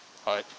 はい。